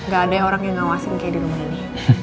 gak ada orang yang ngawasin kayak di rumah ini